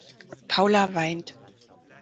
Paula weint.